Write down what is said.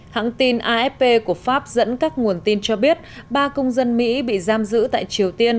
hãng tin afp của pháp dẫn các nguồn tin cho biết ba công dân mỹ bị giam giữ tại triều tiên